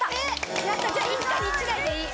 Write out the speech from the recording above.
やったじゃあ一家に１台でいい！